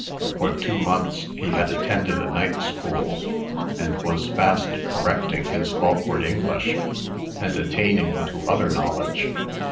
For two months he had attended a night school, and was fast correcting his awkward English, and attaining to other knowledge.